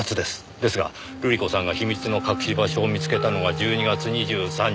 ですが瑠璃子さんが秘密の隠し場所を見つけたのが１２月２３日。